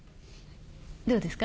どうですか？